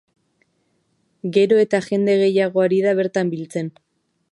Gero eta jende hegiago ari da bertan biltzen.